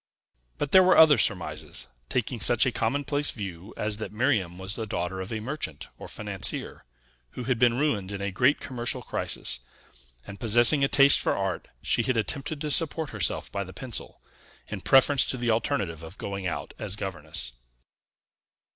But there were other surmises, taking such a commonplace view as that Miriam was the daughter of a merchant or financier, who had been ruined in a great commercial crisis; and, possessing a taste for art, she had attempted to support herself by the pencil, in preference to the alternative of going out as governess.